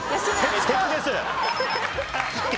「鉄」です。